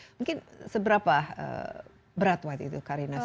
mungkin seberapa berat waktu itu karina